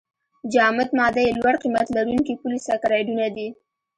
جامد ماده یې لوړ قیمت لرونکي پولې سکرایډونه دي.